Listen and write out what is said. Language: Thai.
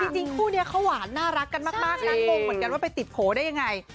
จริงคู่นี้เขาหวานน่ารักกันมากนะงงเหมือนกันว่าไปติดโผล่ได้ยังไง